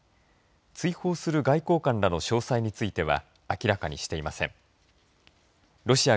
追放する外交官らの詳細については明らかにしていません。